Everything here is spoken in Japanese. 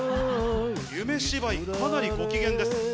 『夢芝居』かなりご機嫌です。